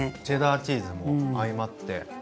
チェダーチーズも相まって。